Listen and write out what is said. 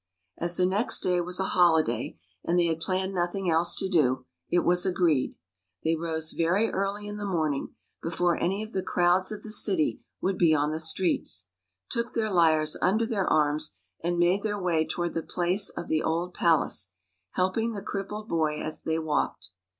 As the next day was a holiday, and they had planned nothing else to do, it was agreed. They rose very early in the morning, before any of the crowds of the city would be on the streets, took their lyres under their arms, and made their way toward the place of the old palace, helping the crippled boy as they walked.